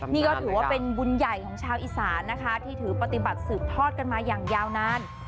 นี่ก็ถือว่าเป็นบุญใหญ่ของชาวอีสานนะคะที่ถือปฏิบัติสืบทอดกันมาอย่างยาวนาน